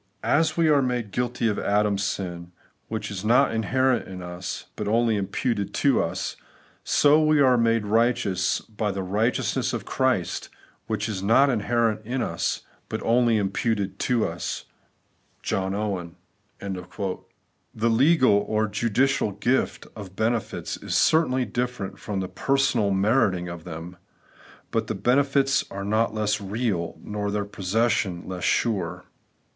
'As we are made guilty of Adam's sin, which is not inherent in us, but only im puted to us ; so are we made righteous by the righteousness of Christ, which is not inherent in us, but only imputed to us' (Owen). The legal or judicial gift of benefits is certainly different from the personal meriting of them ; but the benefits are not less real, nor their possession less sure.